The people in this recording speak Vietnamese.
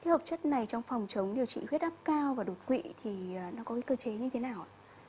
hợp chất này trong phòng chống điều trị huyết áp cao và đột quỵ thì nó có cái cơ chế như thế nào ạ